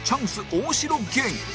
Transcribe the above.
大城芸人